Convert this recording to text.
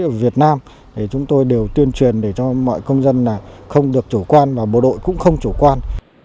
ở việt nam thì chúng tôi đều tuyên truyền để cho mọi công dân không được chủ quan và bộ đội cũng không chủ quan